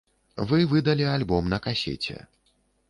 Вы выдалі альбом на касеце.